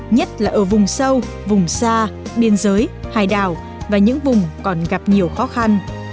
nhất là ở vùng sâu vùng xa biên giới hải đảo và những vùng còn gặp nhiều khó khăn